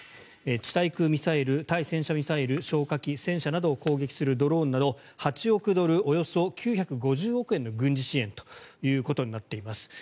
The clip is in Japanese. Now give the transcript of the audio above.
地対空ミサイル、対戦車ミサイル小火器戦車などを攻撃するドローンなど８億ドル、およそ９５０億円の軍事支援となっています。